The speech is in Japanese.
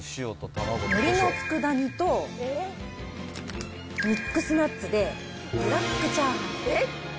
のりのつくだ煮と、ミックスナッツで、ブラックチャーハン。